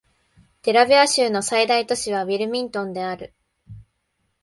デラウェア州の最大都市はウィルミントンである